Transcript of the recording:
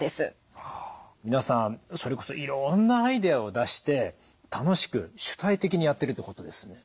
皆さんそれこそいろんなアイデアを出して楽しく主体的にやってるってことですね。